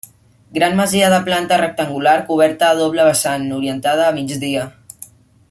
Gran masia de planta rectangular coberta a doble vessant, orientada a migdia.